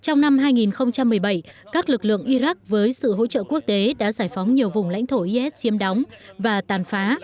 trong năm hai nghìn một mươi bảy các lực lượng iraq với sự hỗ trợ quốc tế đã giải phóng nhiều vùng lãnh thổ is chiếm đóng và tàn phá